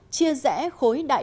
chia rẽ khối đại đoàn kết